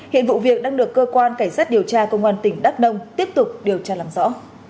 hiện vụ việc đang được cơ quan cảnh sát điều tra công an tỉnh đắk nông tiếp tục điều tra làm rõ